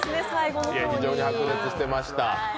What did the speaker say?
非常に白熱していました。